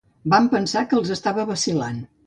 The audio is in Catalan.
Van pensar que els estava vacil·lant.